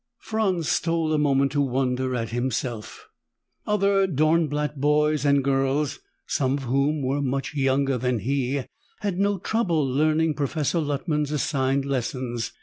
Franz stole a moment to wonder at himself. Other Dornblatt boys and girls, some of whom were much younger than he, had no trouble learning Professor Luttman's assigned lessons.